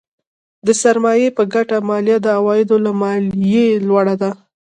د سرمایې پر ګټه مالیه د عوایدو له مالیې لوړه ده.